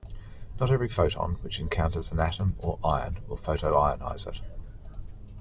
Not every photon which encounters an atom or ion will photoionize it.